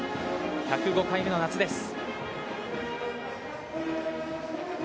１０５回目の夏です。